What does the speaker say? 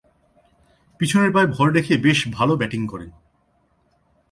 পিছনের পায়ে ভর রেখে বেশ ভালো ব্যাটিং করেন।